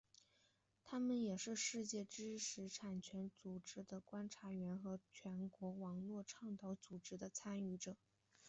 他们也是世界知识产权组织的观察员和全球网络倡议组织的参与者。